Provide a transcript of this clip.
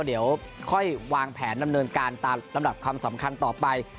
เดี๋ยวค่อยวางแผนดำเนินการตามลำดับความสำคัญต่อไป